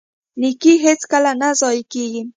نیکي هیڅکله نه ضایع کیږي.